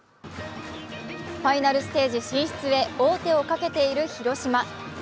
ファイナルステージ進出へ王手をかけている広島。